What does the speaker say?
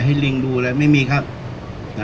การสำรรค์ของเจ้าชอบใช่